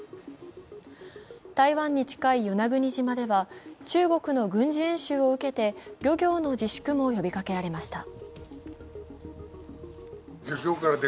台湾に近い与那国島では中国の軍事演習を受けて漁業の自粛も呼びかけられました。